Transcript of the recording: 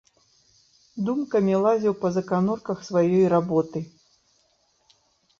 Думкамі лазіў па заканурках сваёй работы.